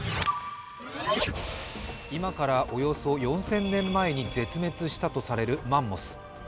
今からおよそ４０００年前に絶滅したとされるマンモス。